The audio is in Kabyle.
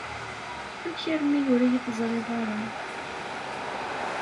Amek armi ur iyi-teẓriḍ ara?